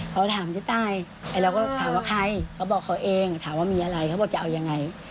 เขาถามเจ๊ใต้เราก็ถามว่าใครเขาบอกเขาเองถามว่ามีอะไรเขาบอกจะเอายังไง